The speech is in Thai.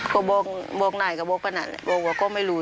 ก็บอกนายก็บอกพะนันบอกว่าก็ไม่รู้